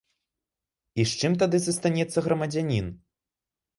І з чым тады застанецца грамадзянін?